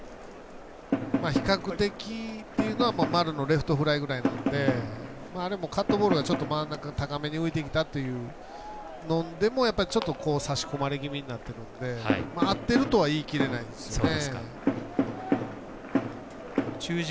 比較的というのは丸のレフトフライなのであれもカットボールがちょっと真ん中高めに浮いてきたというのでもちょっと差し込まれ気味になっているので合っているとは言い切れないですね。